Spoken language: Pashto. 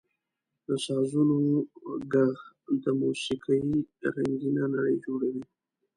• د سازونو ږغ د موسیقۍ رنګینه نړۍ جوړوي.